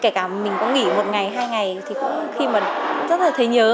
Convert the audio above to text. kể cả mình có nghỉ một ngày hai ngày thì cũng khi mà rất là thấy nhớ